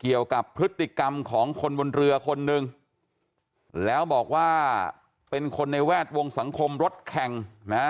เกี่ยวกับพฤติกรรมของคนบนเรือคนนึงแล้วบอกว่าเป็นคนในแวดวงสังคมรถแข่งนะ